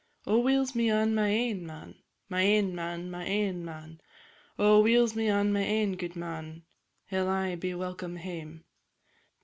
"_ Oh, weel's me on my ain man, My ain man, my ain man! Oh, weel's me on my ain gudeman! He 'll aye be welcome hame.